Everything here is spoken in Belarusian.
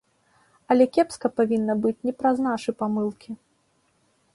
Але кепска павінна быць не праз нашы памылкі.